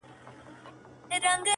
o ستا د يادو لپاره.